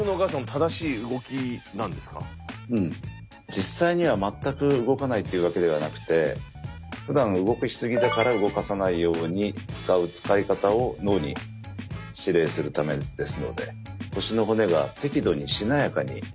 実際には全く動かないっていうわけではなくてふだん動かしすぎだから動かさないように使う使い方を脳に指令するためですので腰の骨が適度にしなやかに動いていると思います。